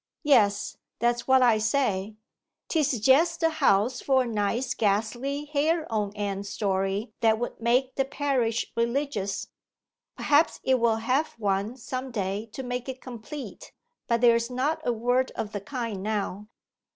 'Yes, that's what I say. 'Tis jest the house for a nice ghastly hair on end story, that would make the parish religious. Perhaps it will have one some day to make it complete; but there's not a word of the kind now.